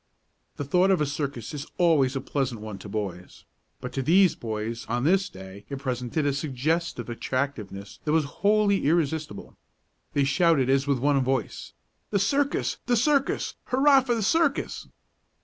The thought of a circus is always a pleasant one to boys, but to these boys on this day it presented a suggestive attractiveness that was wholly irresistible. They shouted as with one voice: "The circus! the circus! hurrah for the circus!"